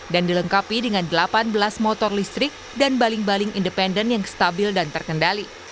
dan dilengkapi dengan delapan belas motor listrik dan baling baling independen yang stabil dan terkendali